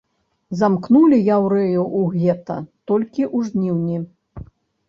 Замкнулі яўрэяў у гета толькі ў жніўні.